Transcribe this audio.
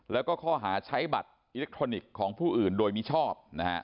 แล้วก็ข้อหาใช้บัตรอิเล็กทรอนิกส์ของผู้อื่นโดยมิชอบ